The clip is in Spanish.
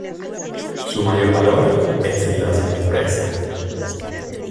Su mayor valor es el de la sorpresa.